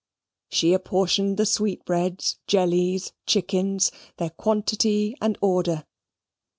She apportioned the sweetbreads, jellies, chickens; their quantity and order.